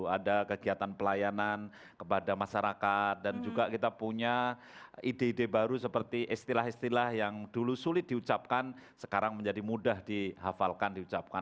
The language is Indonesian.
ada kegiatan pelayanan kepada masyarakat dan juga kita punya ide ide baru seperti istilah istilah yang dulu sulit diucapkan sekarang menjadi mudah dihafalkan diucapkan